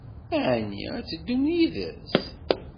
Ɛni ad teddumt yid-s?